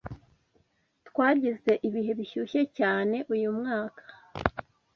Twagize ibihe bishyushye cyane uyu mwaka.